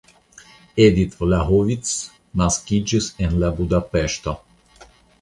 Edit Vlahovics naskiĝis la en Budapeŝto.